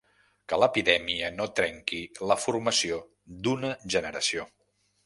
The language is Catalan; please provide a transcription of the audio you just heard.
Que l’epidèmia no trenqui la formació d’una generació.